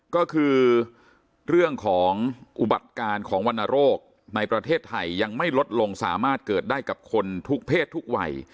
ก็คือเรื่องของอุบัติการของวรรณโรคในประเทศไทยยังไม่ลดลงสามารถเกิดได้กับคนทุกเพศทุกวัย